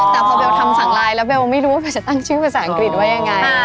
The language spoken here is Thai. แต่พอเบลทำสังไลน์แล้วเบลไม่รู้ว่าเบลจะตั้งชื่อภาษาอังกฤษว่ายังไง